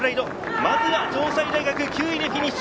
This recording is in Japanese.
まずは城西大学、９位でフィニッシュ。